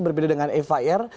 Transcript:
berbeda dengan eva air